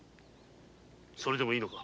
それでもいいのか？